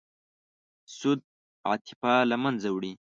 سود عاطفه له منځه وړي.